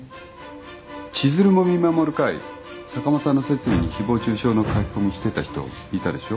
千鶴も見守る会坂間さんの説諭に誹謗中傷の書き込みしてた人いたでしょ。